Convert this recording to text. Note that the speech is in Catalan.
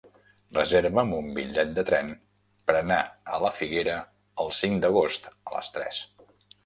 Reserva'm un bitllet de tren per anar a la Figuera el cinc d'agost a les tres.